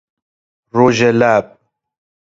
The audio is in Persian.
روژلب